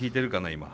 今。